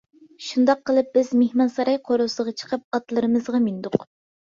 شۇنداق قىلىپ بىز مېھمانساراي قورۇسىغا چىقىپ ئاتلىرىمىزغا مىندۇق.